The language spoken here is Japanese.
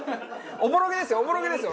おぼろげですよ！